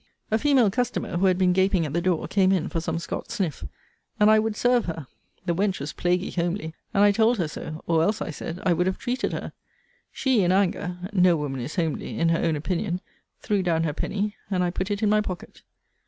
A female customer, who had been gaping at the door, came in for some Scots sniff; and I would serve her. The wench was plaguy homely; and I told her so; or else, I said, I would have treated her. She, in anger, [no woman is homely in her own opinion,] threw down her penny; and I put it in my pocket.